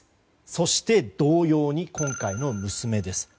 そして同様に今回の娘です。